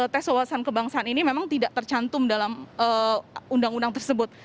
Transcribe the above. tes wawasan kebangsaan ini memang tidak tercantum dalam undang undang tersebut